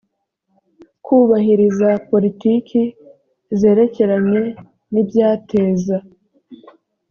kubahiriza politiki zerekeranye n ibyateza